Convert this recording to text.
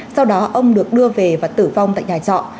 sau đó ông được đưa về và tử vong tại nhà trọ